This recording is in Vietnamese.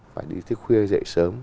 phải đi thức khuya dậy sớm